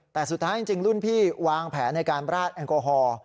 แต่สุดท้ายจริงรุ่นพี่วางแผนในการราดแอลกอฮอล์